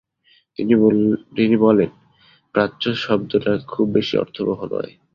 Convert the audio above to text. তিনি বলেন, 'প্রাচ্য' শব্দটা খুব বেশি অর্থবহ নয়।